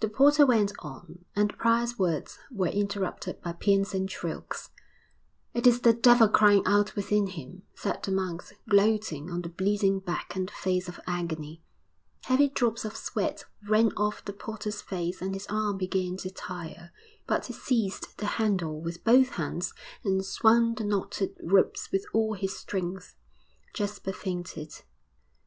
The porter went on, and the prior's words were interrupted by piercing shrieks. 'It is the devil crying out within him,' said the monks, gloating on the bleeding back and the face of agony. Heavy drops of sweat ran off the porter's face and his arm began to tire; but he seized the handle with both hands and swung the knotted ropes with all his strength. Jasper fainted.